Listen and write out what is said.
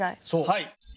はい。